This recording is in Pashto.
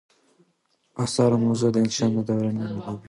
د اثارو موضوع یې د انسان دروني نړۍ ده.